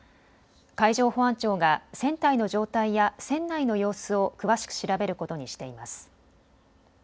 海上保安庁が船体の状態や船内の様子を詳しく調べることにしています。